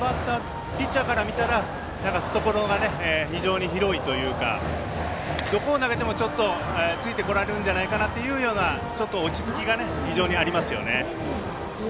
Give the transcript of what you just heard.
ピッチャーから見たら懐が非常に広いというかどこに投げてもちょっとついてこられるんじゃないかなというような落ち着きが非常にありますよね。